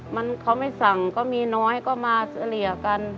มันเขาไม่สั่งก็มีน้อยก็มาเฉลี่ยกัน